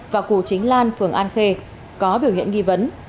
và cù chính lan phường an khê có biểu hiện nghi vấn